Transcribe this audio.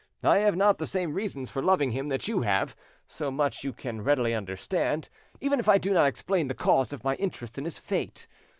I have not the same reasons for loving him that you have, so much you can readily understand, even if I do not explain the cause of my interest in his fate.